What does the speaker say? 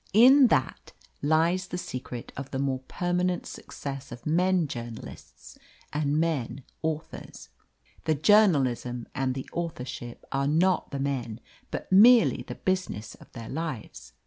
In that lies the secret of the more permanent success of men journalists and men authors. The journalism and the authorship are not the men, but merely the business of their lives.